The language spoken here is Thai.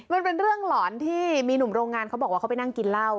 มันเป็นเรื่องหลอนที่มีหนุ่มโรงงานเขาบอกว่าเขาไปนั่งกินเหล้า